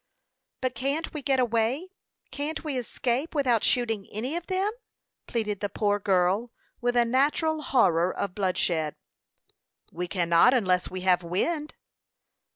"But can't we get away? Can't we escape without shooting any of them?" pleaded the poor girl, with a natural horror of bloodshed. "We cannot unless we have wind."